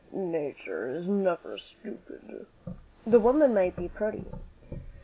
"Nature is never stupid." "The woman might be pretty."